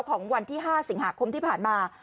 ของวันที่๕สิงหาคมที่ผ่านมา